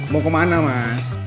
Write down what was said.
mau kemana mas